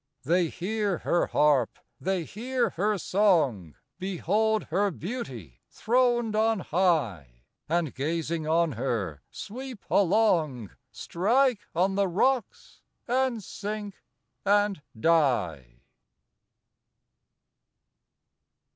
They hear her harp, they hear her song, Behold her beauty throned on high, And gazing on her, sweep along, Strike on the rocks and sink and die.